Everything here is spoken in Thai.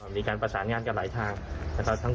มีการประสานงานกันหลายทาง